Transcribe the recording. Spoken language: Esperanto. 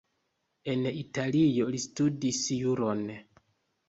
En Italio li studis juron.